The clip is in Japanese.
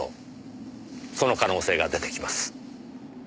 その可能性が出てきます。